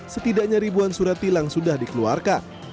setidaknya ribuan surat tilang sudah dikeluarkan